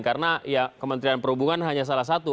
karena ya kementerian perhubungan hanya salah satu